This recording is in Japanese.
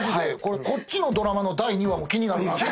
こっちのドラマの第２話も気になるなって。